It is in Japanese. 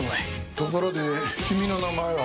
ところで君の名前は？